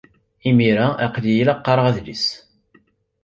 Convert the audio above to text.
Imir-a, aql-iyi la qqareɣ adlis.